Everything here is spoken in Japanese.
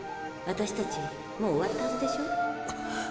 私たちもう終わったはずでしょ。